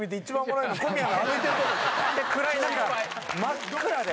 なんで暗い中真っ暗で。